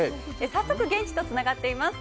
早速、現地とつながっています。